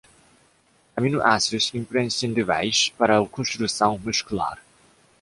Aminoácidos imprescindíveis para a construção muscular